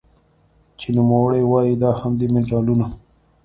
چې نوموړې وايي دا هم د مېنرالونو